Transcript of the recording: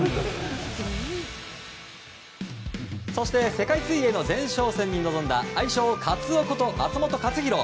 世界水泳の前哨戦に臨んだ愛称カツオこと、松元克央。